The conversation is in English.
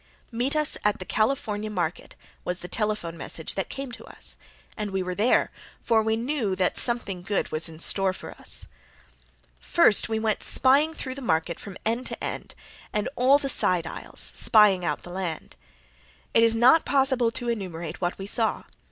"Meet us at the California market," was the telephone message that came to us, and we were there, for we knew that something good was in store for us. First we went through the market from end to end and all the side aisles, "spying out the land." It is not possible to enumerate what we saw.